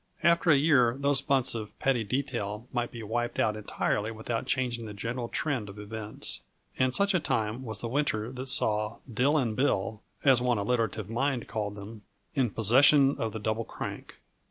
After a year, those months of petty detail might be wiped out entirely without changing the general trend of events and such a time was the winter that saw "Dill and Bill," as one alliterative mind called them, in possession of the Double Crank.